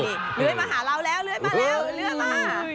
เลยมาหาเราแล้วเลยเริ่มมา